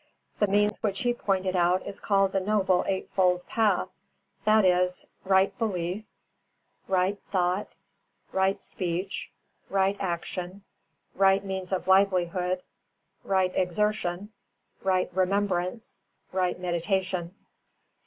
The means which he pointed out is called the Noble Eightfold Path, viz.: Right Belief; Right Thought; Right Speech; Right Action; Right Means of Livelihood; Right Exertion; Right Remembrance; Right Meditation.